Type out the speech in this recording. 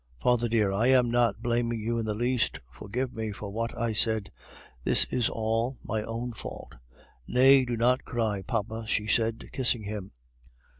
Father dear, I am not blaming you in the least, forgive me for what I said. This is all my own fault. Nay, do not cry, papa," she said, kissing him.